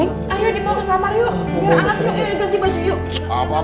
ayo di bawah kamar yuk